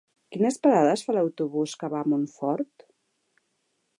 Quines parades fa l'autobús que va a Montfort?